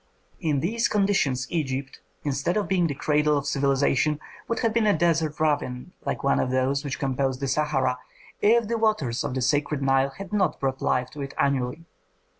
In these conditions Egypt, instead of being the cradle of civilization, would have been a desert ravine like one of those which compose the Sahara, if the waters of the sacred Nile had not brought life to it annually.